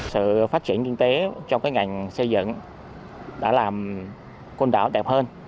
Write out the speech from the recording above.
sự phát triển kinh tế trong ngành xây dựng đã làm côn đảo đẹp hơn